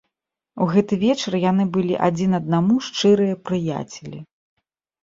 У гэты вечар яны былі адзін аднаму шчырыя прыяцелі.